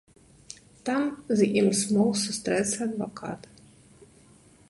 Там з ім змог сустрэцца адвакат.